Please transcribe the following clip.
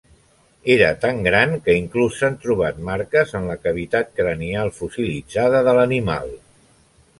Era tan gran que inclús s'han trobat marques en la cavitat cranial fossilitzada de l'animal.